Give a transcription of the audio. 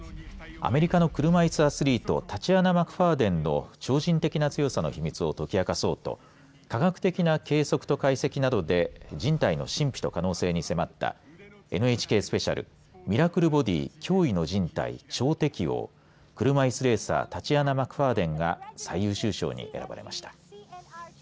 アメリカの車いすアスリートタチアナ・マクファーデンの超人的な強さの秘密を解き明かそうと科学的な計測と解析などで人体の神秘と可能性に迫ったＮＨＫスペシャル「ミラクルボディー驚異の人体“超適応”車いすレーサータチアナ・マクファーデンが最優秀賞に選ばれました。